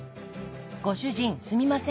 ご主人すみません。